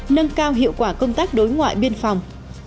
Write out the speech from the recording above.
nâng cao hiệu quả công tác đối ngoại biên phòng